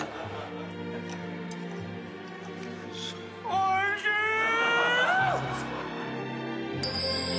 おいしーい！